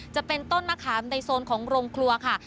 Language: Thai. จะเป็นต้นมะขามในโซนของโรงครัวค่ะ